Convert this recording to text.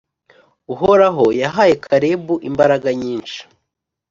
Uhoraho yahaye Kalebu imbaraga nyinshi,